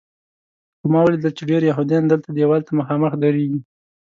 خو ما ولیدل چې ډېر یهودیان دلته دیوال ته مخامخ درېږي.